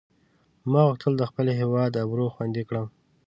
ما غوښتل د خپل هیواد آبرو خوندي کړم.